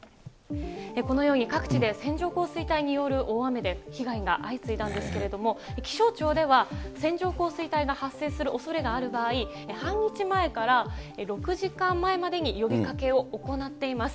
このように、各地で線状降水帯による大雨で、被害が相次いだんですけれども、気象庁では、線状降水帯が発生するおそれがある場合、半日前から６時間前までに呼びかけを行っています。